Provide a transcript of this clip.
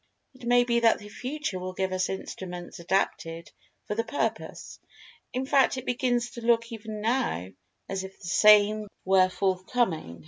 It may be that the future will give us instruments adapted for the purpose—in fact it begins to look even now as if the same were forthcoming.